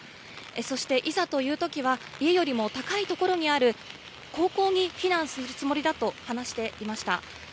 そしていざというときは家よりも高いところにある高校に避難するつもりだと話していました。